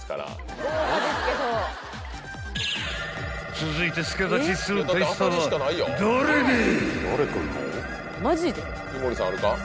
［続いて助太刀する大スターは誰でい！］